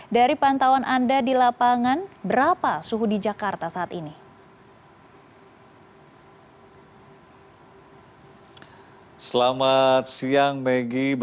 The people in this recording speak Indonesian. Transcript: dari pantauan anda di lapangan berapa suhu di jakarta saat ini